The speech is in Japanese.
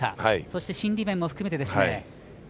そして、心理面も含めて。